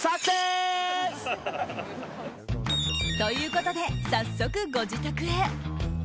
ということで早速、ご自宅へ。